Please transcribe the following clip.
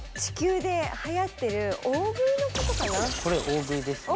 これ大食いですね。